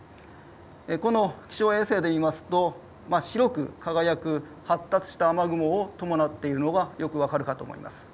この気象衛星で言いますと白く輝く発達した雨雲がよく分かると思います。